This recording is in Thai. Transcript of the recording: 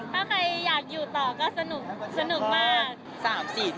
ถ้าใครอยากอยู่ต่อก็สนุกสนุกมาก